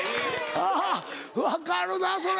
あぁ分かるなそれ。